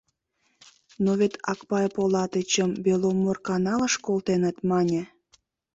Но вет Акпай Полатычым Беломорканалыш колтеныт, мане.